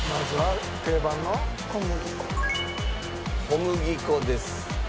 小麦粉です。